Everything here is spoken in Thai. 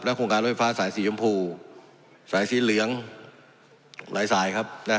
โครงการรถไฟฟ้าสายสีชมพูสายสีเหลืองหลายสายครับ